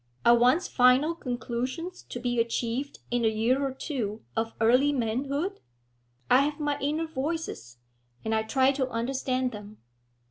Are one's final conclusions to be achieved in a year or two of early manhood? I have my inner voices, and I try to understand them.